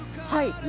はい。